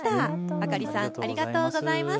あかりさんありがとうございます。